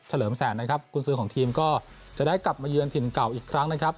เลิมแสนนะครับคุณซื้อของทีมก็จะได้กลับมาเยือนถิ่นเก่าอีกครั้งนะครับ